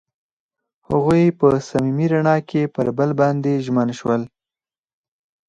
هغوی په صمیمي رڼا کې پر بل باندې ژمن شول.